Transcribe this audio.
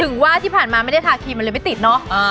ถึงว่าที่ผ่านมาไม่ได้ทาครีมมันเลยไม่ติดเนอะ